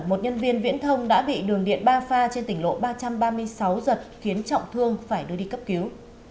một nhân viên viễn thông đã bị đường điện ba pha trên tỉnh lộ ba trăm ba mươi sáu giật khiến trọng thương phải đưa đi cấp cứu